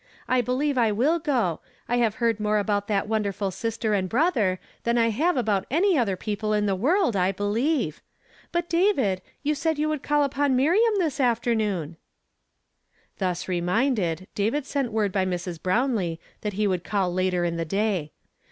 I be lieve I will go; I have heard more about that wonderful sister and brother than I have about any other people in the world, I believe. But, David, you said you would call upon Miriam this after noon?" Thus reminded, David sent word by Mrs. Brown lee that he would call later in the day.